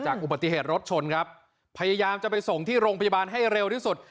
อุบัติเหตุรถชนครับพยายามจะไปส่งที่โรงพยาบาลให้เร็วที่สุด